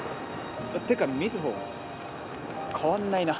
っていうか瑞穂変わんないな。